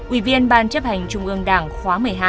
ủy viên ban chấp hành trung ương đảng khóa một mươi hai